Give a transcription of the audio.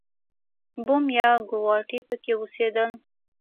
بوم یا ګواټي پکې اوسېدل.